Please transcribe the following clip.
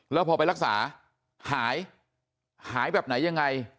แล้วพอไปรักษาหายหายแบบไหนยังไง